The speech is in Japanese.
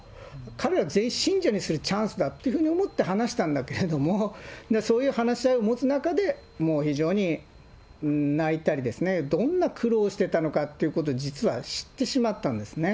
彼ら全員信者にするチャンスだと思って話したんだけれども、そういう話し合いを持つ中で、もう非常に泣いたりですね、どんな苦労してたのかっていうことを、実は知ってしまったんですね。